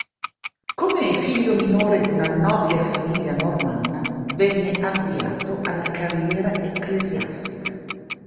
Come figlio minore di una nobile famiglia normanna, venne avviato alla carriera ecclesiastica.